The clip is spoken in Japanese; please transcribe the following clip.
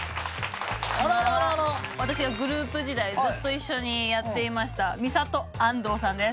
私がグループ時代ずっと一緒にやっていましたＭＩＳＡＴＯＡＮＤＯさんです。